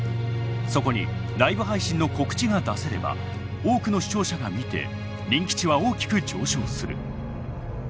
そこにライブ配信の告知が出せれば多くの視聴者が見て人気値は大きく上昇する。